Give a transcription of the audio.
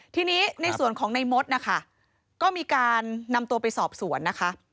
ทีนี้ในส่วนของในมดนะคะก็มีการนำตัวไปสอบสวนนะคะ